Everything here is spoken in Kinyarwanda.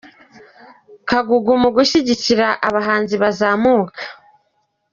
Kagugu mu gushyigikira abahanzi bazamuka